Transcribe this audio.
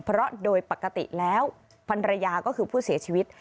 เพราะโดยปกติแล้วพันรยาก็คือผู้เสียชีวิต